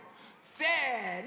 せの！